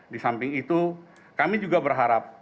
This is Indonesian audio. di samping itu kami juga berharap